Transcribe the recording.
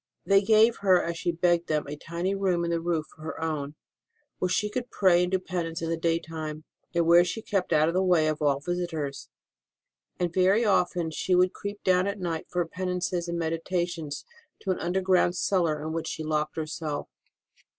They gave her, as she begged them, a tiny room in the roof for her own, where she could pray and do penance in the daytime, and where she kept out of the way of all visitors; and very often she would creep down at night for her penances and meditations to an underground cellar into which she locked herself.